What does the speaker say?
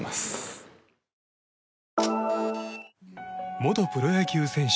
元プロ野球選手